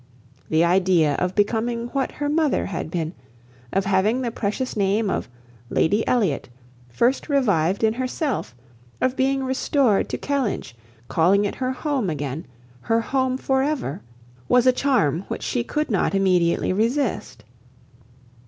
The idea of becoming what her mother had been; of having the precious name of "Lady Elliot" first revived in herself; of being restored to Kellynch, calling it her home again, her home for ever, was a charm which she could not immediately resist.